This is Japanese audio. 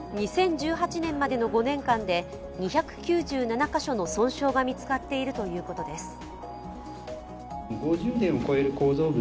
２０１８年までの５年間で２９７カ所の損傷が見つかっているということです。